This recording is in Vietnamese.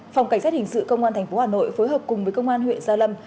phòng cảnh sát hình sự công an tp hà nội phối hợp cùng với công an huyện gia lâm